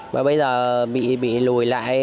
mà bây giờ bị lùi lại